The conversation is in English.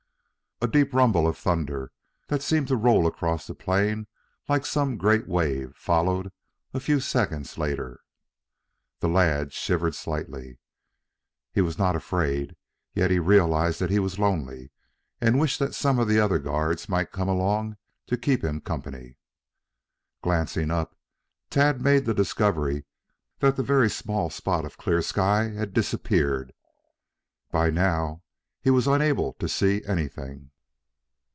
A deep rumble of thunder, that seemed to roll across the plain like some great wave, followed a few seconds later. The lad shivered slightly. He was not afraid. Yet he realized that he was lonely, and wished that some of the other guards might come along to keep him company. Glancing up, Tad made the discovery that the small spot of clear sky had disappeared. By now he was unable to see anything.